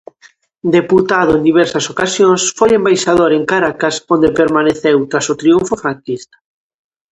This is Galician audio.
Deputado en diversas ocasións, foi embaixador en Caracas, onde permaneceu tras o triunfo franquista.